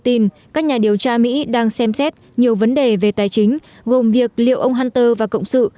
tin các nhà điều tra mỹ đang xem xét nhiều vấn đề về tài chính gồm việc liệu ông hunter và cộng sự